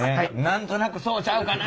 何となくそうちゃうかな？